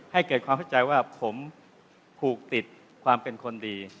ให้เกิดความเข้าใจว่าผมผูกติดความเป็นคนดี